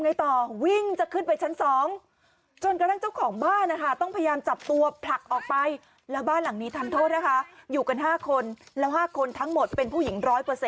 อะไรต่อวิ่งจะขึ้นไปชั้น๒จนกระดับเที่ยวกลับยภาคต้องพยายามจับทัวร์ผลักออกไปแล้วบ้านหลังนี้ทำโทษนะคะอยู่กันห้าคนแล้วห้าคนทั้งหมดเป็นผู้หญิง